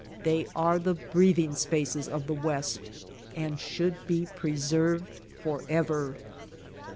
They are the breathing spaces of the west and should be preserved forever.